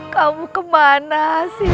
kamu kemana sime